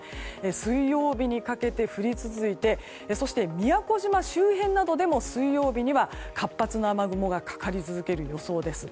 水曜日にかけて降り続いて宮古島周辺などでも水曜日には、活発な雨雲がかかり続ける予想です。